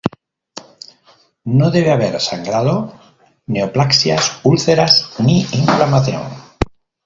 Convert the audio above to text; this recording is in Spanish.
No debe haber sangrado, neoplasias, úlceras ni inflamación.